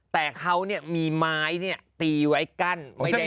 แต่เขามีไม้ตีไว้กั้น